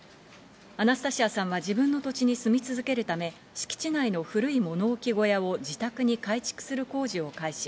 アナスタシアさんは自分の土地に住み続けるため敷地内の古い物置小屋を自宅に改築する工事を開始。